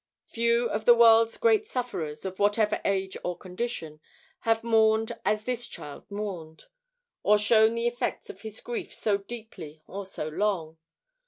Few of the world's great sufferers, of whatever age or condition, have mourned as this child mourned, or shown the effects of his grief so deeply or so long.